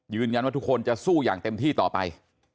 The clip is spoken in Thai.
ทุกคนจะสู้อย่างเต็มที่ต่อไป